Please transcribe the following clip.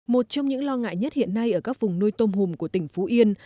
một trong những lo ngại nhất hiện nay ở các vùng nuôi tôm hùm của tỉnh phú yên